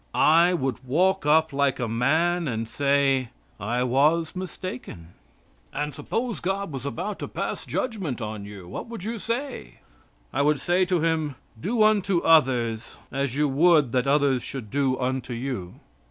I would walk up like a man, and say, "I was mistaken." "And suppose God was about to pass judgment on you, what would you say?" I would say to Him, "Do unto others as you would that others should do unto you."